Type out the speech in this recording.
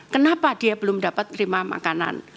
kenapa dia belum dapat terima makanan